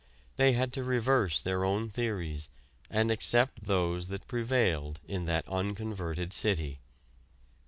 They had to reverse their own theories and accept those that prevailed in that unconverted city.